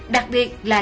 đặc biệt là